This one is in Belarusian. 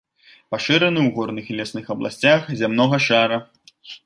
Пашыраны ў горных і лясных абласцях зямнога шара.